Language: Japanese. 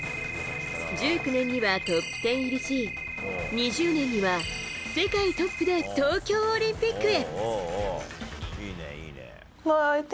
１９年にはトップ１０入りし２０年には世界トップで東京オリンピックへ。